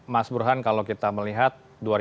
mas burhan kalau kita melihat